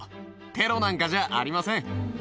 テロなんかじゃありません。